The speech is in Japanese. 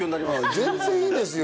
全然いいですよ。